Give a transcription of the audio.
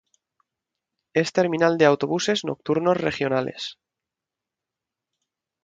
Es terminal de autobuses nocturnos regionales.